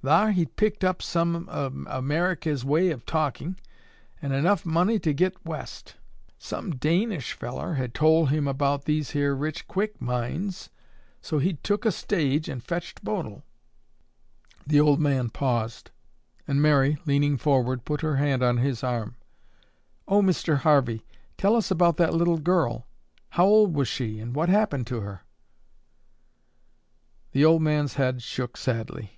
Thar he'd picked up some o' Ameriky's way o' talking, an' enuf money to git West. Some Danish fellar had tol' him about these here rich quick mines, so he'd took a stage an' fetched Bodil." The old man paused, and Mary, leaning forward, put her hand on his arm. "Oh, Mr. Harvey, tell us about that little girl. How old was she and what happened to her?" The old man's head shook sadly.